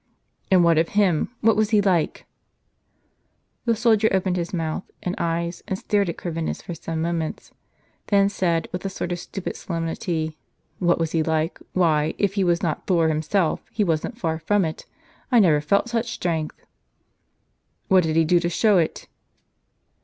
" And what of him ? What was he like ?" The soldier opened his mouth and eyes, and stared at Corvinus for some moments, then said, with a sort of stupid solemnity, "What was he like? Why, if he was not Thor himself, he wasn't far from it. I never felt such strength." " What did he do to show it?